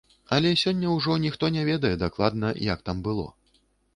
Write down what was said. Але сёння ўжо ніхто не ведае дакладна, як там было.